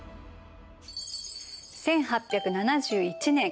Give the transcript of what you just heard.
１８７１年。